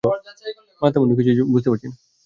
মাথামুন্ডু কিছুই বুঝতে পারছি না!